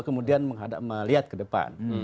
kemudian melihat ke depan